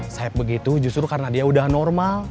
sayap begitu justru karena dia udah normal